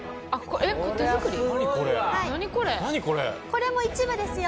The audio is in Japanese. これも一部ですよ